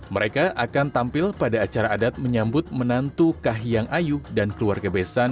mereka akan tampil pada acara adat menyambut menantu kahiyang ayu dan keluarga besan